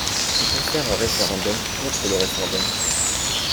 Peut-on faire un referendum contre le referendum?